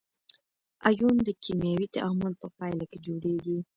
ایون د کیمیاوي تعامل په پایله کې جوړیږي.